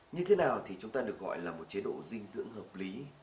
như thế nào thì chúng ta được gọi là một chế độ dinh dưỡng hợp lý